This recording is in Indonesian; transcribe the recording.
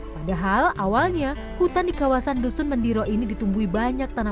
padahal awalnya hutan di kawasan dusun mendiro ini ditutupi dengan air